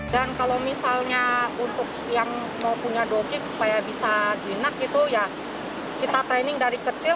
dan kalau misalnya untuk yang mau punya doking supaya bisa jinak itu ya kita training dari kecil